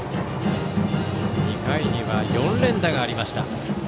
２回には４連打がありました。